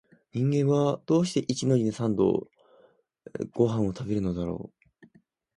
人間は、どうして一日に三度々々ごはんを食べるのだろう